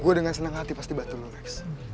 gue dengan senang hati pasti bantu lo lex